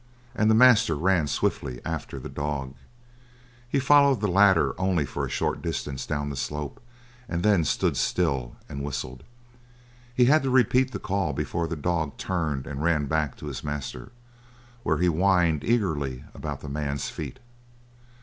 and the master ran swiftly after the dog. He followed the latter only for a short distance down the slope and then stood still and whistled. He had to repeat the call before the dog turned and ran back to his master, where he whined eagerly about the man's feet.